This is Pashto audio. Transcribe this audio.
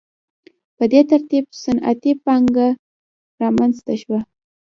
په دې ترتیب صنعتي پانګه رامنځته شوه.